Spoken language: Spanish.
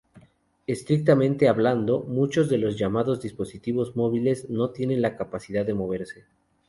Estrictamente hablando, muchos de los llamados dispositivos móviles no tienen la capacidad de moverse.